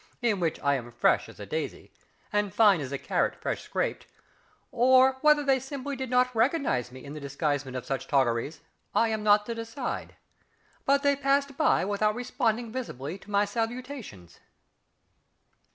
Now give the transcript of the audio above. in which I am fresh as a daisy, and fine as a carrot fresh scraped, or whether they simply did not recognise me in the disguisement of such toggeries, I am not to decide but they passed by without responding visibly to my salutations.